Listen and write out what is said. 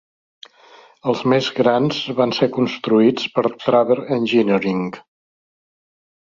Els més grans van ser construïts per Traver Engineering.